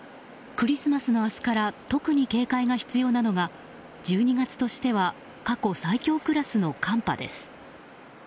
クリスマスの明日から特に警戒が必要なのが１２月としては過去最強クラスの寒波です。